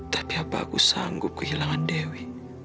tapi apa aku sanggup kehilangan dewi